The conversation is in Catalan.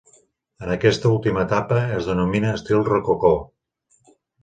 En aquesta última etapa es denomina estil rococó.